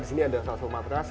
di sini ada salah satu matras